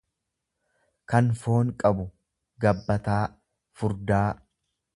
kan foon qabu, gabbataa, furdaa.